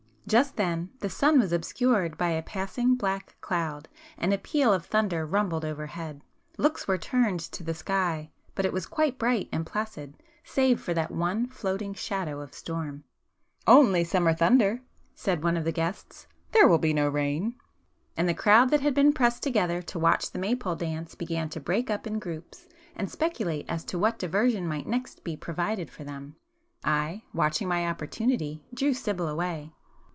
Just then, the sun was obscured by a passing black cloud, and a peal of thunder rumbled over head. Looks were turned to the sky, but it was quite bright and placid save for that one floating shadow of storm. "Only summer thunder,"—said one of the guests—"There will be no rain." And the crowd that had been pressed together to watch the 'Maypole dance' began to break up in groups, and speculate as to what diversion might next be provided for them. I, watching my opportunity, drew Sibyl away.